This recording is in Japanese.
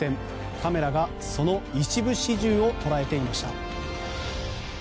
カメラがその一部始終を捉えていました。